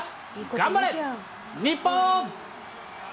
頑張れ日本。